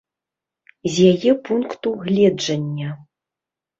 З яе пункту гледжання.